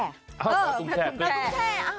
ไม่ใช่กุ้งแชนะ